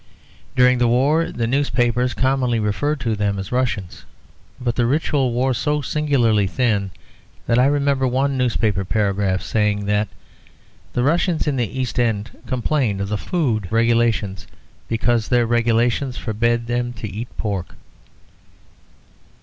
During the war the newspapers commonly referred to them as Russians; but the ritual wore so singularly thin that I remember one newspaper paragraph saying that the Russians in the East End complained of the food regulations, because their religion forbade them to eat pork.